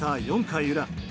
４回裏。